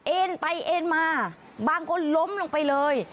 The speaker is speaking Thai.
เอ็นไปเอ็นมาบางคนล้มลงไปเลย